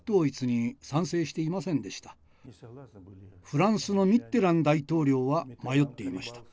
フランスのミッテラン大統領は迷っていました。